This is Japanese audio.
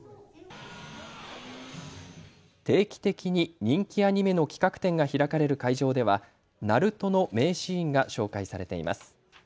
定期的に人気アニメの企画展が開かれる会場ではＮＡＲＵＴＯ−ナルト−の名シーンが紹介されています。